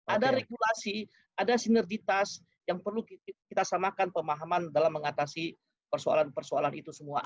ada regulasi ada sinergitas yang perlu kita samakan pemahaman dalam mengatasi persoalan persoalan itu semua